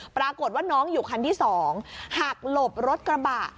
ปรากฏว่าน้องอยู่คันที่๒หักหลบรถกระบะ